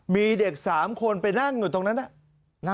มีเด็ก๓คนไปนั่งอยู่ตรงนั้น